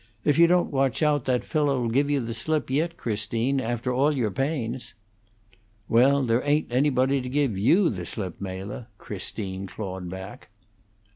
If you don't watch out, that fellow 'll give you the slip yit, Christine, after all your pains." "Well, there ain't anybody to give you the slip, Mela," Christine clawed back.